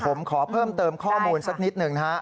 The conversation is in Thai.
ผมขอเพิ่มเติมข้อมูลสักนิดหนึ่งนะฮะ